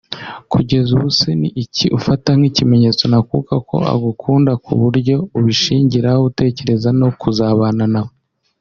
Kugeza ubu se ni iki ufata nk’ikimenyetso ntakuka ko agukunda kuburyo ubushingiraho utekereza no kuzabana nawe